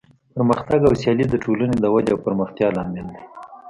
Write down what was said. پرمختګ او سیالي د ټولنې د ودې او پرمختیا لامل دی.